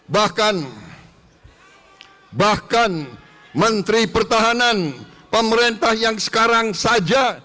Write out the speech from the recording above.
bahkan menteri pertahanan pemerintah yang sekarang saja